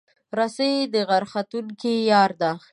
رسۍ د غر ختونکو یار ده.